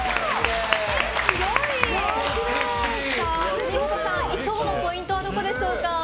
銭本さん、衣装のポイントはどこでしょうか。